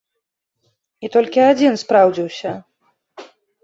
І толькі адзін спраўдзіўся.